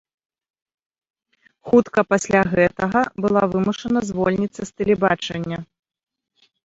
Хутка пасля гэтага была вымушана звольніцца з тэлебачання.